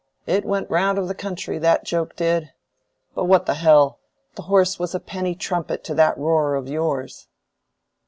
It went the round of the country, that joke did. But, what the hell! the horse was a penny trumpet to that roarer of yours."